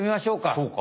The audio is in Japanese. そうか。